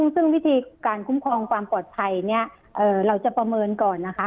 ซึ่งวิธีการคุ้มครองความปลอดภัยเนี่ยเราจะประเมินก่อนนะคะ